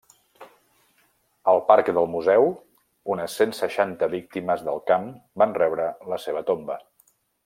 Al parc del museu unes cent seixanta víctimes del camp van rebre la seva tomba.